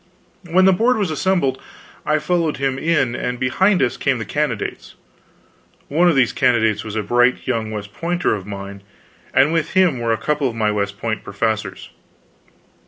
When the Board was assembled, I followed him in; and behind us came the candidates. One of these candidates was a bright young West Pointer of mine, and with him were a couple of my West Point professors.